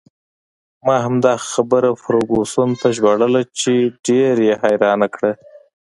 ما همدا خبره فرګوسن ته ژباړله چې ډېر یې حیرانه کړه.